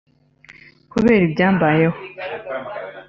"Kubera ibyambayeho